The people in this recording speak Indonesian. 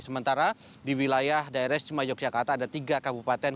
sementara di wilayah daerah istimewa yogyakarta ada tiga kabupaten